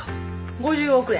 ５０億円